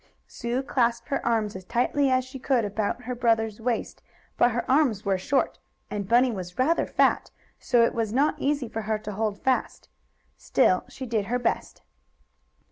Sue clasped her arms as tightly as she could about her brother's waist, but her arms were short, and Bunny was rather fat, so it was not easy for her to hold fast. Still she did her best.